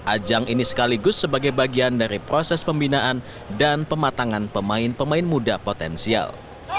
ajang ini sekaligus sebagai bagian dari proses pembinaan dan pematangan pemain pemain muda potensial